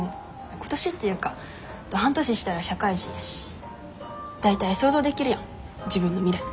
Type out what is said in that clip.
今年っていうかあと半年したら社会人やし大体想像できるやん自分の未来。